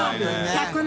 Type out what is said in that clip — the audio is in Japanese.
１００年！